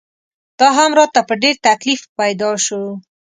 دا هم راته په ډېر تکلیف پیدا شو.